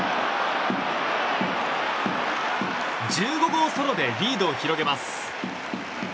１５号ソロでリードを広げます。